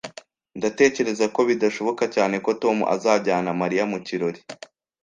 Ntekereza ko bidashoboka cyane ko Tom azajyana Mariya mu kirori